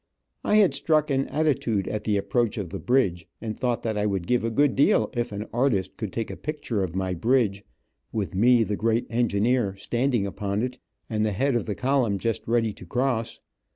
I had struck an attitude at the approach of the bridge, and thought that I would give a good deal if an artist could take a picture of my bridge, with me, the great engineer, standing upon it, and the head of the column just ready to cross.